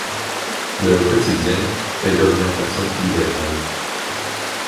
Le quotidien est d'orientation libérale.